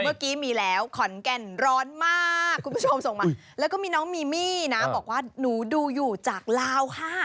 เมื่อกี้มีแล้วขอนแก่นร้อนมากคุณผู้ชมส่งมาแล้วก็มีน้องมีมี่นะบอกว่าหนูดูอยู่จากลาวค่ะ